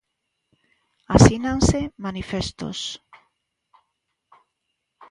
Asínanse manifestos.